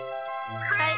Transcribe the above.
はい！